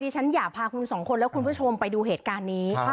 ฉันอยากพาคุณสองคนและคุณผู้ชมไปดูเหตุการณ์นี้